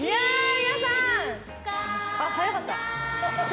皆さん早かった？